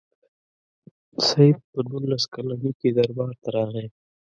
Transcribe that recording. سید په نولس کلني کې دربار ته راغی.